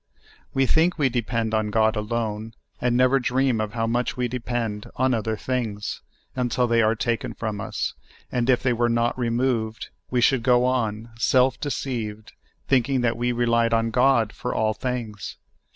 We think we depend on God alone, and never dream of how much we depend on other things, until they are taken from us, and if they were not removed, we should go on, self deceived, thinking that we relied on God for all things.